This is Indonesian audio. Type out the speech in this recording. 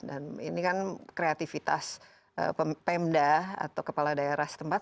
dan ini kan kreatifitas pemda atau kepala daerah setempat